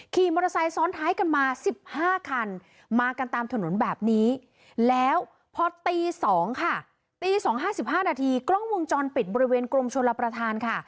ขี่มอเตอร์ไซค์ซ้อนท้ายกันมา๑๕คันมากันตามถนนแบบนี้แล้วพอตี๒ค่ะตี๒๕๕นาทีกล้องวงจรปิดบริเวณกรมชลประธานค่ะ